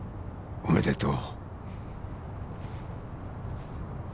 おめでとう！